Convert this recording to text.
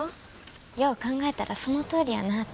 よう考えたらそのとおりやなって。